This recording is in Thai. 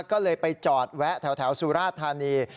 ก็เลยไปจอดแวะแถวสุราธานี